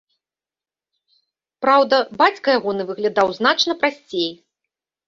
Праўда, бацька ягоны выглядаў значна прасцей.